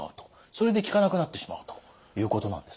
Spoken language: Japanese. それで効かなくなってしまうということなんですね。